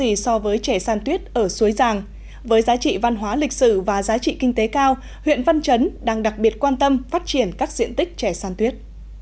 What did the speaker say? nơi đây có những cây trè san tuyết ở suối giang với giá trị văn hóa lịch sử và giá trị kinh tế cao huyện văn chấn đang đặc biệt quan tâm phát triển các diện tích trè san tuyết